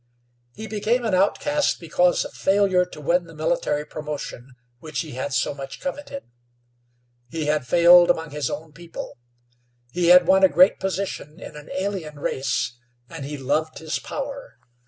He became an outcast because of failure to win the military promotion which he had so much coveted. He had failed among his own people. He had won a great position in an alien race, and he loved his power.